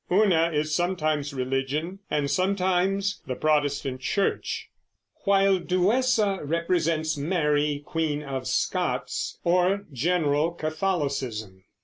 Una is sometimes religion and sometimes the Protestant Church; while Duessa represents Mary Queen of Scots, or general Catholicism.